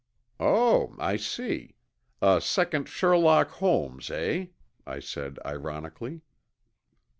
"Oh, I see. A second Sherlock Holmes, eh?" I said ironically.